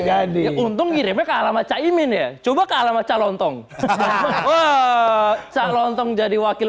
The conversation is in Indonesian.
jadi untung ngirimnya ke alamat caimin ya coba ke alamat calontong calontong jadi wakil